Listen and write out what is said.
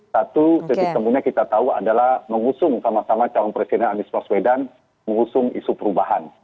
satu titik temunya kita tahu adalah mengusung sama sama calon presiden anies baswedan mengusung isu perubahan